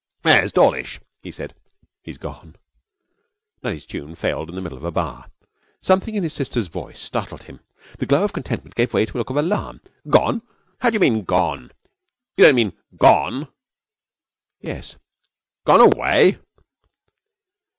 'Where's Dawlish?' he said. 'He has gone.' Nutty's tune failed in the middle of a bar. Something in his sister's voice startled him. The glow of contentment gave way to a look of alarm. 'Gone? How do you mean gone? You don't mean gone?' 'Yes.' 'Gone away?'